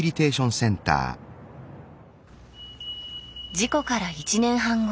事故から１年半後。